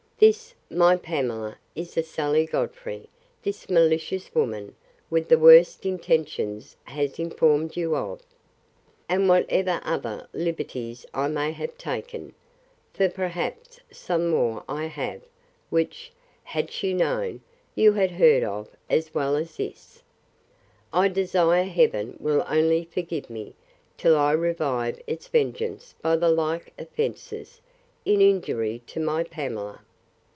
This, my Pamela, is the Sally Godfrey, this malicious woman, with the worst intentions, has informed you of. And whatever other liberties I may have taken, (for perhaps some more I have, which, had she known, you had heard of, as well as this,) I desire Heaven will only forgive me, till I revive its vengeance by the like offences, in injury to my Pamela.